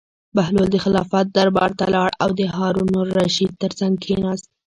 بهلول د خلافت دربار ته لاړ او د هارون الرشید تر څنګ کېناست.